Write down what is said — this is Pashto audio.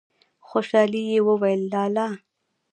خوشالی يې وويل: لا لا!